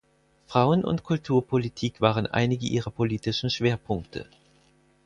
Frauen und Kulturpolitik waren einige ihrer politischen Schwerpunkte.